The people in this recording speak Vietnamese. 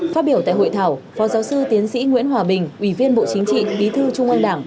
phát biểu tại hội thảo phó giáo sư tiến sĩ nguyễn hòa bình ủy viên bộ chính trị bí thư trung ương đảng